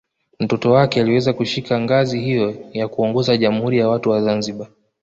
Mtoto wake aliweza kushika ngazi hiyo ya kuongoza Jamhuri ya watu wa Zanzibar